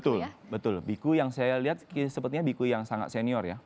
betul betul biku yang saya lihat sepertinya biku yang sangat senior ya